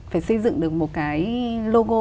phải xây dựng được một cái logo